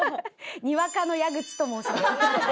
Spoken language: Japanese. ニワカの矢口と申します。